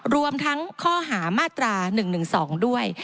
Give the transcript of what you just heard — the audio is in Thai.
รวมทั้งข้อหามาตรา๑๑๒ด้วย